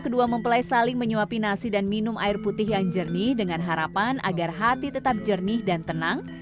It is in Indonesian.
kedua mempelai saling menyuapi nasi dan minum air putih yang jernih dengan harapan agar hati tetap jernih dan tenang